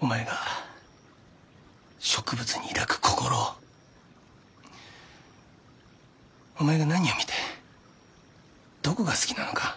お前が植物に抱く心をお前が何を見てどこが好きなのか傍らにいて知りたい。